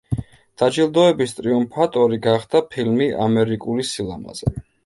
დაჯილდოების ტრიუმფატორი გახდა ფილმი „ამერიკული სილამაზე“.